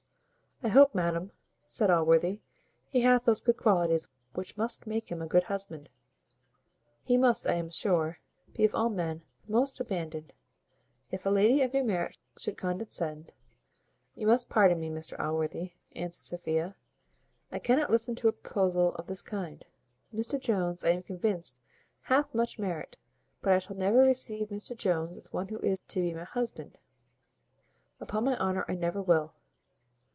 "I hope, madam," said Allworthy, "he hath those good qualities which must make him a good husband. He must, I am sure, be of all men the most abandoned, if a lady of your merit should condescend " "You must pardon me, Mr Allworthy," answered Sophia; "I cannot listen to a proposal of this kind. Mr Jones, I am convinced, hath much merit; but I shall never receive Mr Jones as one who is to be my husband Upon my honour I never will."